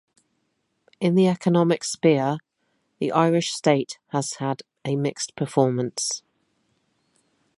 In the economic sphere, the Irish state has had a mixed performance.